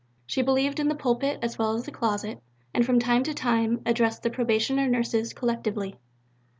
She believed in the pulpit, as well as in the closet, and from time to time addressed the Probationer Nurses collectively.